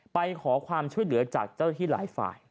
ไปขอความช่วยเหลือจากเจ้าที่หลายฝ่าย